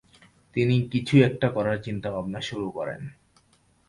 তিনি কিছু একটি করার চিন্তাভাবনা শুরু করেন।